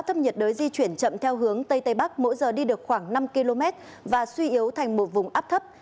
sức gió mạnh nhất di chuyển chậm theo hướng tây tây bắc mỗi giờ đi được khoảng năm km và suy yếu thành một vùng áp thấp